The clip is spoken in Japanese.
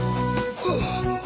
あっ。